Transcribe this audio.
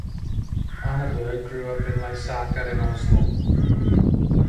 Arneberg grew up in Lysaker in Oslo.